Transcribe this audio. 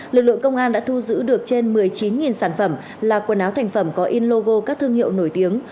lực lượng công an đã thu giữ được trên một mươi chín sản phẩm là quần áo thành phẩm có in logo các thương hiệu nổi tiếng